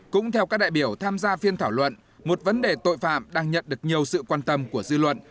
cũng theo các đại biểu tham gia phiên thảo luận một vấn đề tội phạm đang nhận được nhiều sự quan tâm của dư luận